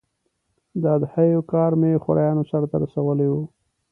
د اضحیو کار مې خوریانو سرته رسولی و.